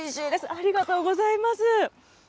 ありがとうございます。